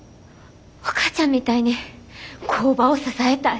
お母ちゃんみたいに工場を支えたい。